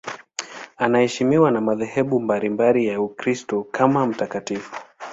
Anaheshimiwa na madhehebu mbalimbali ya Ukristo kama mtakatifu.